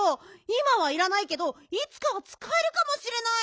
いまはいらないけどいつかはつかえるかもしれない。